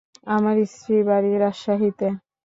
আমার স্ত্রীর বাড়ি রাজশাহীতে।